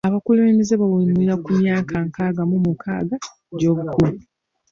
Abakulembeze bawummulira ku myaka nkaaga mu mukaaga egy'obukulu.